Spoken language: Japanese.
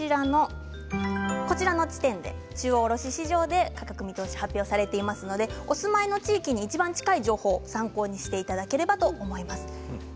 こちらの地点で中央卸売市場で価格見通しを発表されていますのでお住まいの地域にいちばん近い情報を参考にしていただければと思います。